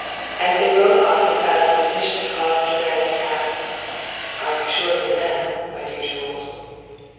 As they rode off his silent submission caused Durand to ask: "Are you sure of the man, my dear Jules?"